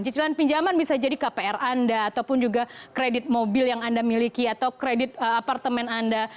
cicilan pinjaman bisa jadi kpr anda ataupun juga kredit mobil yang anda miliki atau kredit apartemen anda